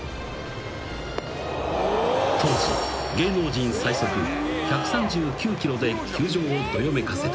［当時芸能人最速１３９キロで球場をどよめかせた］